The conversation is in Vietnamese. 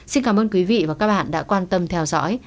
xin cảm ơn quý vị và các bạn đã quan tâm theo dõi